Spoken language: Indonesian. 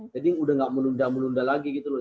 jadi udah gak menunda menunda lagi gitu loh